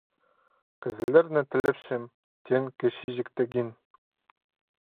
Кізілерні тілепчем, – теен Кічиҷек тегин.